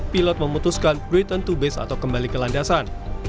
pilot memutuskan breaton to base atau kembali ke landasan